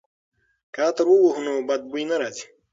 که عطر ووهو نو بد بوی نه راځي.